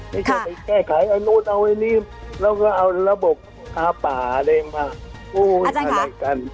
ไม่ใช่แก้ไขอันนู้นเอาไอ้นี่แล้วก็เอาระบบค้าป่าอะไรกัน